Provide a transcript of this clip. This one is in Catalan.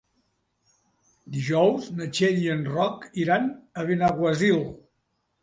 Dijous na Txell i en Roc iran a Benaguasil.